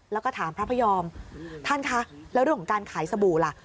แล้วก็ถามพระพยอมท่านคะแล้วเรื่องของการขายสบู่ล่ะ